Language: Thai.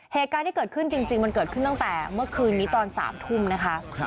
เหตุการณ์ที่เกิดขึ้นจริงมันเกิดขึ้นตั้งแต่เมื่อคืนนี้ตอน๓ทุ่มนะคะ